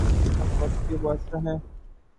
ہم باتوں کے بادشاہ ہیں۔